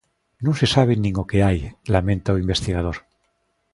Non se sabe nin o que hai, lamenta o investigador.